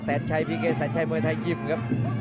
แสนชัยพีเกแสนชัยมวยไทยยิมครับ